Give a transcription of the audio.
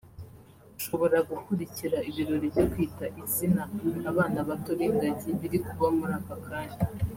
ushobora gukurikira ibirori byo Kwita Izina abana bato b’ingagi biri kuba muri aka kanya